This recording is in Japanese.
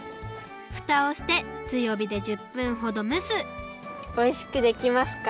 ふたをしてつよびで１０分ほどむすおいしくできますか？